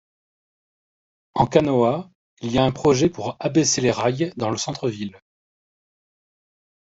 En Canoas, il y a un projet pour abaisser les rails dans le centre-ville.